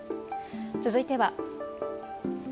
続いては。